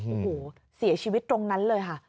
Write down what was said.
โอ้โหเสียชีวิตตรงนั้นเลยค่ะ